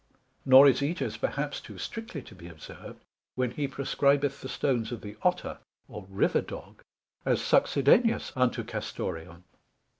Nor is Ætius perhaps too strictly to be observed, when he prescribeth the stones of the Otter, or River dog, as succedaneous unto Castoreum.